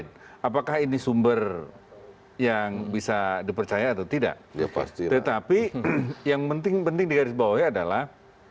tetapi yang penting penting di garis bawahnya adalah